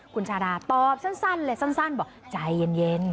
คุณชาดาตอบสั้นเลยสั้นบอกใจเย็น